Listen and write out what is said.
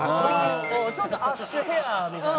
ちょっとアッシュヘアみたいな。